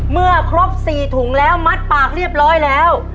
เมื่อครบ๔ถุงแล้วมัดปากเรียบร้อยแล้ว